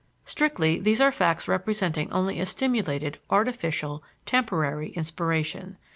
Strictly, these are facts representing only a stimulated, artificial, temporary inspiration.